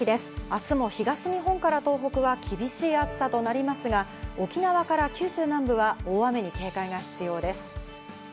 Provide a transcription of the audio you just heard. あすも東日本から東北は厳しい暑さとなりますが、沖縄から九州南部は大雨に警戒が必要です。